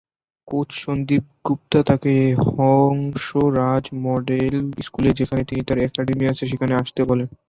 Coach Sandeep Gupta তাকে Hans Raj model স্কুলে, যেখানে তার একাডেমী আছে, সেখানে আসতে বলেন।